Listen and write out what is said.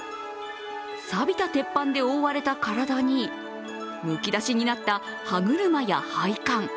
さびた鉄板で覆われた体にむき出しになった歯車や配管。